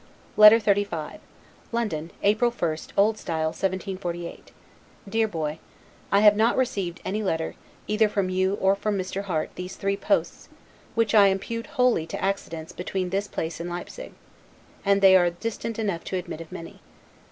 LETTERS TO HIS SON LETTER XXXV LONDON, April 1, O. S. 1748. DEAR BOY: I have not received any letter, either from you or from Mr. Harte, these three posts, which I impute wholly to accidents between this place and Leipsig; and they are distant enough to admit of many.